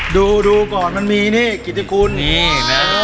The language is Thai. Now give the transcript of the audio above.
ดูก่อนมันมีนี่นี่นะ